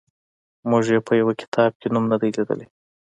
موږ یې په یوه کتاب کې نوم نه دی لیدلی.